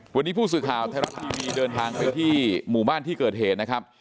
วันนี้ผู้สื่อข่าวไทยรัฐทีวีเดินทางไปที่หมู่บ้านที่เกิดเหตุนะครับ